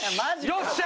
よっしゃ！